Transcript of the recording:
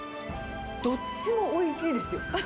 どっちもおいしいです。